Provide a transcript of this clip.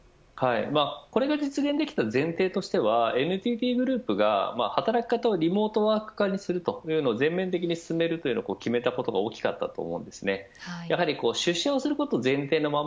これが実現できた前提としてはＮＴＴグループが働き方をリモートワーク化にするというのを全面的に進めることを決めたことが大きかったと思います。